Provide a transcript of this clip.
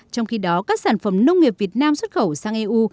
trong khi đó các sản phẩm nông nghiệp việt nam xuất khẩu sang eu